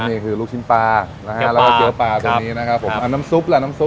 นี่คือลูกชิ้นปลานะฮะแล้วก็เนื้อปลาตัวนี้นะครับผมเอาน้ำซุปล่ะน้ำซุป